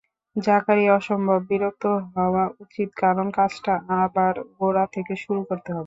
জাকারিয়ার অসম্ভব বিরক্ত হওয়া উচিত, কারণ কাজটা আবার গোড়া থেকে শুরু করতে হবে।